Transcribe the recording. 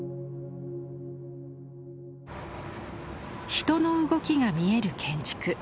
人の動きが見える建築。